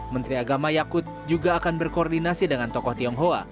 menteri agama yakut juga akan berkoordinasi dengan tokoh tionghoa